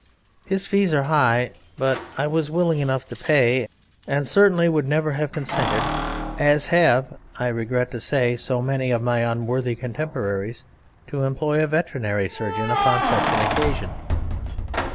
His fees are high, but I was willing enough to pay, and certainly would never have consented as have, I regret to say, so many of my unworthy contemporaries to employ a veterinary surgeon upon such an occasion.